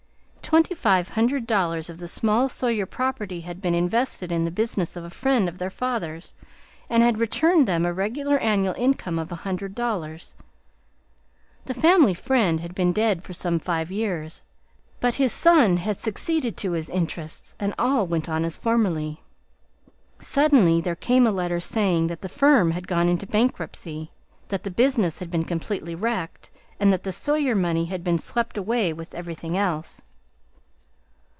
Twenty five hundred dollars of the small Sawyer property had been invested in the business of a friend of their father's, and had returned them a regular annual income of a hundred dollars. The family friend had been dead for some five years, but his son had succeeded to his interests and all went on as formerly. Suddenly there came a letter saying that the firm had gone into bankruptcy, that the business had been completely wrecked, and that the Sawyer money had been swept away with everything else.